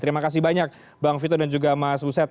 terima kasih banyak bang vito dan juga mas buset